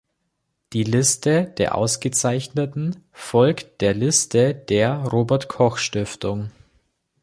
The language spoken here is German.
Die Liste der Ausgezeichneten folgt der Liste der Robert-Koch-Stiftung.